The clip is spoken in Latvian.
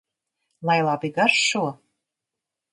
Lai labi garšo!